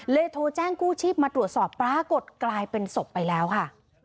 โทรแจ้งกู้ชีพมาตรวจสอบปรากฏกลายเป็นศพไปแล้วค่ะ